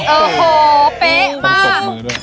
โอ้โหเป๊ะมาก